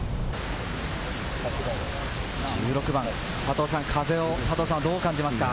１６番、佐藤さんは風をどう感じますか？